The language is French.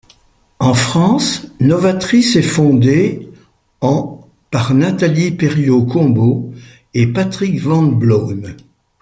En France, Novatris est fondé en par Nathalie Perrio-Combeaux et Patrick Van Bloeme.